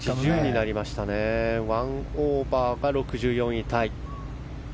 １オーバーが６４位タイ。